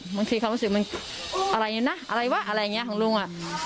บางทีเขารู้สึกมันอะไรนะอะไรวะอะไรอย่างนี้ของลุงอ่ะ